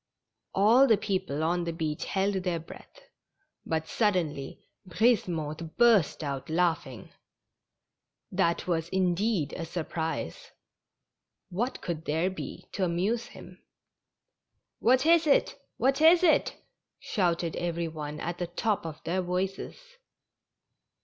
All the people on the beach held their breath, but suddenly Brisemotte burst out laughing. That Avas, indeed, a surprise ; what could there be to amuse him? " What is it? what is it? " shouted every one at the top of their voices.